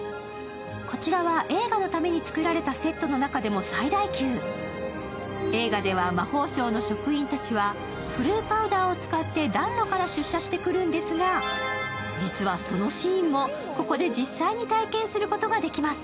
こちらは映画のために作られたセットの中でも最大級、映画では魔法省の職員たちはフルーパウダーを使って暖炉から出社してくるんですが、実はそのシーンもここで実際に体験することができます。